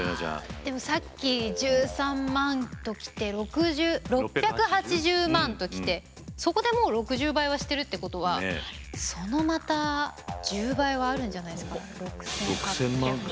でもさっき１３万ときて６８０万ときてそこでもう６０倍はしてるってことはそのまた１０倍はあるんじゃないですか。